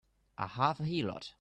A half a heelot!